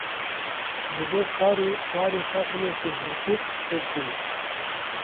Ji bo kar û barê xwe hinekî zûtir pêk bîne.